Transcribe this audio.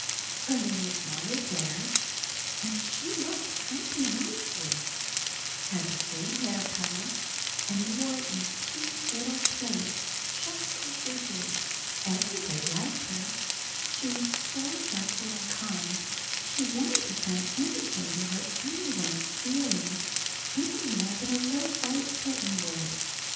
Her name was Molly Blair, and she looked something like you had the same color hair, and wore it in two little plaits just as you do. Everybody liked her. She was so gentle and kind she wouldn't have done anything to hurt any one's feelings any more than a little white kitten would.